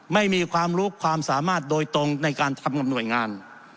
ไม่มีความรู้ความสามารถโดยตรงในการทำกับหน่วยงาน